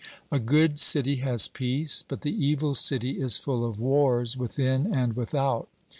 A good city has peace, but the evil city is full of wars within and without.